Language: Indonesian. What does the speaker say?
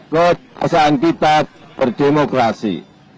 ke dewasaan kita berdemokrasi